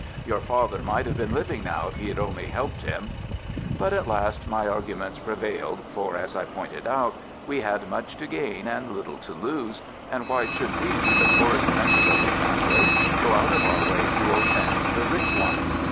Your father might have been living now if he had only helped him." But at last my arguments prevailed, for, as I pointed out, we had much to gain and little to lose, and why should we, the poorest members of a family, go out of our way to offend the rich one?